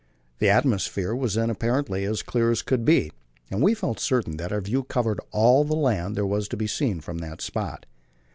The atmosphere was then apparently as clear as could be, and we felt certain that our view covered all the land there was to be seen from that spot.